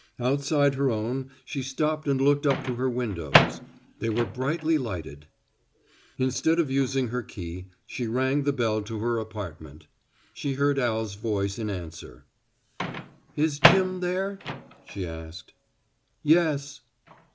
Outside her own she stopped and looked up to her windows. They were brightly lighted. Instead of using her key, she rang the bell to her apartment. She heard Al's voice in answer. "Is Jim there?" she asked. "Yes."